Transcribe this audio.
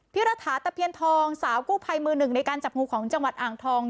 รัฐาตะเพียนทองสาวกู้ภัยมือหนึ่งในการจับงูของจังหวัดอ่างทอง